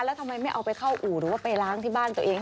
แล้วทำไมไม่เอาไปเข้าอู่หรือว่าไปล้างที่บ้านตัวเอง